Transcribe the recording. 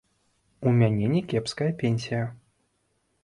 У мяне някепская пенсія.